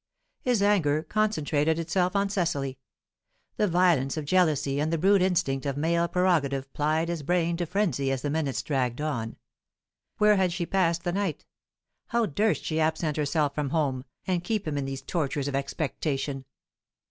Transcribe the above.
His anger concentrated itself on Cecily; the violence of jealousy and the brute instinct of male prerogative plied his brain to frenzy as the minutes dragged on. Where had she passed the night? How durst she absent herself from home, and keep him in these tortures of expectation?